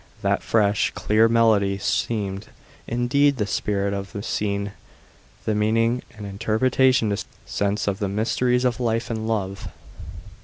That fresh, clear melody seemed, indeed, the spirit of the scene, the meaning and interpretation to sense of the mysteries of life and love.